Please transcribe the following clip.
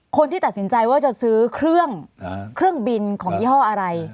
คนที่ตัดสินใจว่าจะซื้อเครื่องเครื่องบินของยี่ห้ออะไร